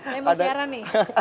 saya mau siaran nih